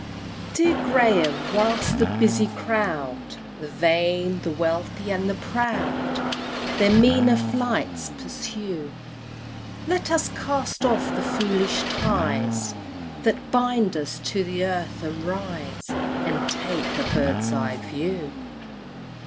Dear Graham, whilst the busy crowd, The vain, the wealthy, and the proud, Their meaner flights pursue, Let us cast off the foolish ties That bind us to the earth, and rise And take a bird's eye view!